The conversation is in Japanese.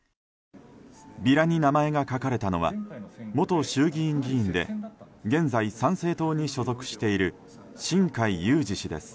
ビラに名前が書かれたのは元衆議院議員で現在、参政党に所属している新開裕司氏です。